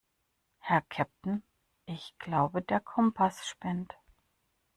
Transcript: Herr Kapitän, ich glaube, der Kompass spinnt.